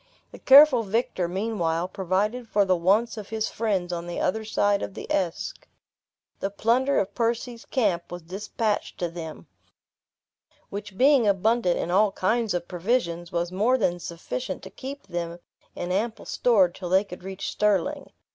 The careful victor, meanwhile, provided for the wants of his friends on the other side of the Esk. The plunder of Percy's camp was dispatched to them; which being abundant in all kinds of provisions, was more than sufficient to keep them in ample store till they could reach Stirling.